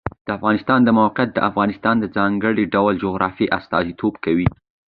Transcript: د افغانستان د موقعیت د افغانستان د ځانګړي ډول جغرافیه استازیتوب کوي.